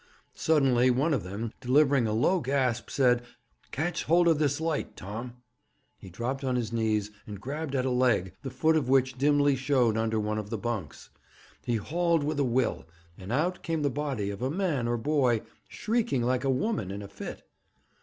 Suddenly one of them, delivering a low gasp, said: 'Catch hold of this light, Tom.' He dropped on his knees, and grabbed at a leg, the foot of which dimly showed under one of the bunks. He hauled with a will, and out came the body of a man or boy, shrieking like a woman in a fit.